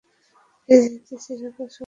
এই জ্যোতি চিরকাল সমভাবে থাকে।